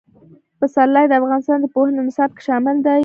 پسرلی د افغانستان د پوهنې نصاب کې شامل دي.